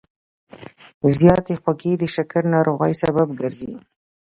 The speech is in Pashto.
زیاتې خوږې د شکر ناروغۍ سبب ګرځي.